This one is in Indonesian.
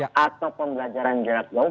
atau pembelajaran jarak jauh